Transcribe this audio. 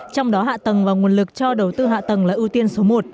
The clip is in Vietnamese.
trong đó hạ tầng và nguồn lực cho đầu tư hạ tầng là ưu tiên số một